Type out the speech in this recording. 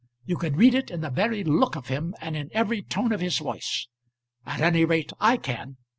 You can read it in the very look of him, and in every tone of his voice. At any rate I can.